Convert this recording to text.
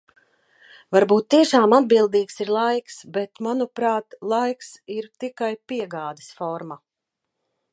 Varbūt tiešām atbildīgs ir laiks, bet, manuprāt, laiks ir tikai piegādes forma.